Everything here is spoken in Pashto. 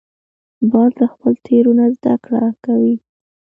باز له خپلو تېرو نه زده کړه کوي